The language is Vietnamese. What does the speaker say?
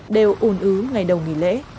đều ủn ứ ngày đầu nghỉ lễ